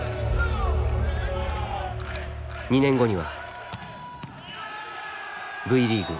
２年後にはＶリーグ